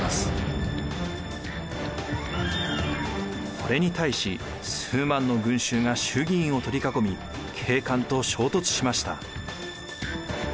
これに対し数万の群衆が衆議院を取り囲み警官と衝突しました。